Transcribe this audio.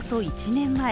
１年前